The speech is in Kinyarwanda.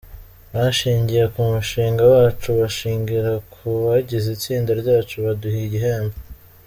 Bashingiye ku mushinga wacu, bashingira ku bagize itsinda ryacu, baduha igihembo.